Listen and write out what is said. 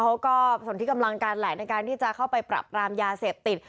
เขาก็ส่วนที่กำลังกันแหละในการที่จะเข้าไปปรับปรามยาเสพติด